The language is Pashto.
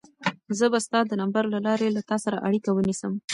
زه به ستا د نمبر له لارې له تا سره اړیکه ونیسم.